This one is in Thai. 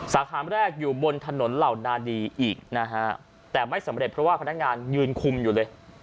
สาขาแรกอยู่บนถนนเหล่านาดีอีกนะฮะแต่ไม่สำเร็จเพราะว่าพนักงานยืนคุมอยู่เลย